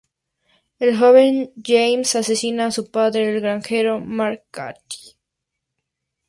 El joven James ha asesinado a su padre, el granjero McCarthy.